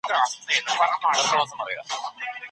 کومې توصيې مېرمني ته متوجه دي؟